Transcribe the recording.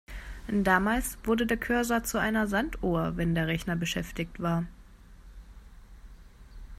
Damals wurde der Cursor zu einer Sanduhr, wenn der Rechner beschäftigt war.